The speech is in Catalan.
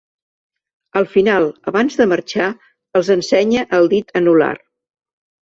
Al final, abans de marxar, els ensenya el dit anul·lar.